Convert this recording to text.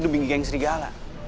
dibinggi geng serigala